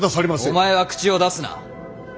お前は口を出すな。